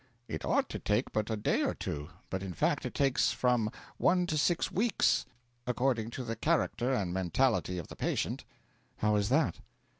'It ought to take but a day or two; but in fact it takes from one to six weeks, according to the character and mentality of the patient.' 'How is that?'